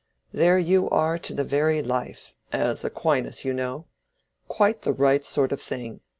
There you are to the very life—as Aquinas, you know. Quite the right sort of thing.